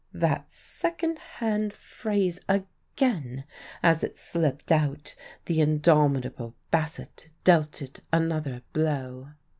That second hand phrase again! As it slipped out, the indomitable Bassett dealt it another blow.